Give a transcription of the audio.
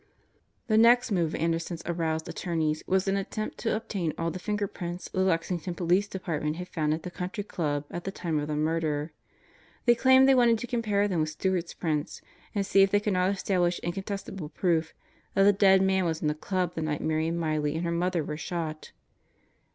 The next move of Anderson's aroused attorneys was an attempt to obtain all the finger prints the Lexington Police Department had found at the Country Club at the time of the murder. They claimed they wanted to compare them with Stewart's prints and see if they could not establish incontestable proof that the dead man was in the Club the night Marion Miley and her mother were shot.